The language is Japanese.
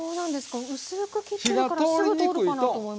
薄く切ってるからすぐ通るかなと思いますけど。